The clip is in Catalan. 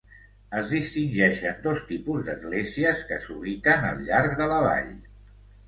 Es distingeixen dos tipus d'esglésies que s'ubiquen al llarg de la vall.